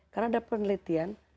karena ada penelitian